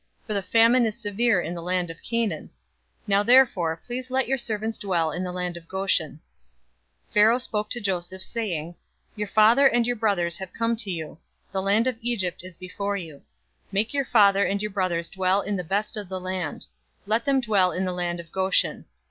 For the famine is severe in the land of Canaan. Now therefore, please let your servants dwell in the land of Goshen." 047:005 Pharaoh spoke to Joseph, saying, "Your father and your brothers have come to you. 047:006 The land of Egypt is before you. Make your father and your brothers dwell in the best of the land. Let them dwell in the land of Goshen.